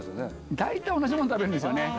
大体同じもの食べるんですよ